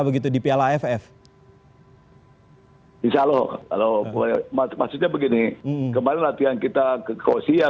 begitu di piala ff hai di saloh kalau boleh mati matinya begini kemarin latihan kita kekosia